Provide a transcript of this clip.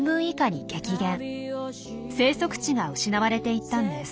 生息地が失われていったんです。